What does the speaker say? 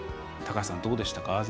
高橋さん、どうでしたか？